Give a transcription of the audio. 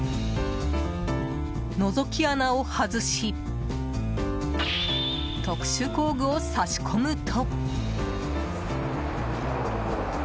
のぞき穴を外し特殊工具をさし込むと。